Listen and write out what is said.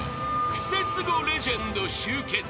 クセスゴレジェンド集結］